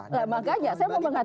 nah makanya saya mau mengatakan